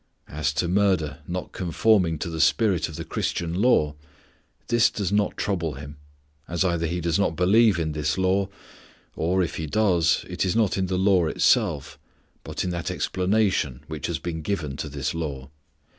As to murder not conforming to the spirit of the Christian law, this does not trouble him, as either he does not believe in this law, or, if he does, it is not in the law itself, but in that explanation which has been given to this law.